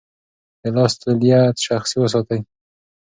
د لاس توليه شخصي وساتئ.